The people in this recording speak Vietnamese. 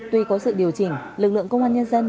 tuy có sự điều chỉnh lực lượng công an nhân dân